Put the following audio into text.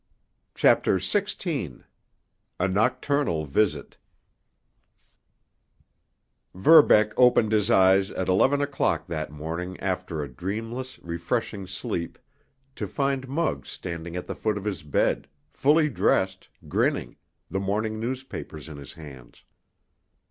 CHAPTER XVI—A NOCTURNAL VISIT Verbeck opened his eyes at eleven o'clock that morning after a dreamless, refreshing sleep to find Muggs standing at the foot of his bed, fully dressed, grinning, the morning newspapers in his hands.